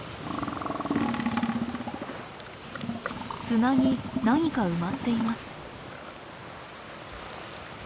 砂に何か埋まっています。